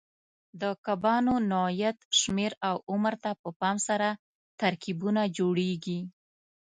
د کبانو نوعیت، شمېر او عمر ته په پام سره ترکیبونه جوړېږي.